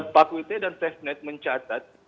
pakuitnya dan fesnet mencatat